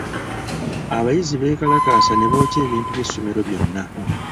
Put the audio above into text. Abayizi beekalakaasa ne bookya ebintu by’essomero byonna.